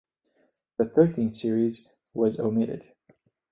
The "Thirteenth Series" was omitted.